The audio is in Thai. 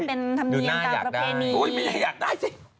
ดูหน้าอยากได้อยู่สัพเพนี่โอ้ยเมย์อยากได้สิ